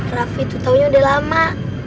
raffi tuh taunya udah lama